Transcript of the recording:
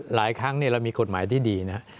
หลายครั้งเรามีกฎหมายที่ดีนะครับ